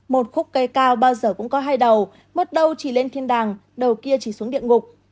một khúc cây cao bao giờ cũng có hai đầu một đầu chỉ lên thiên đàng đầu kia chỉ xuống địa ngục